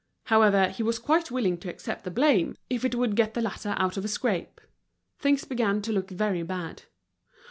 However, he was quite willing to accept the blame, if it would get the latter out of a scrape. Things began to look very bad.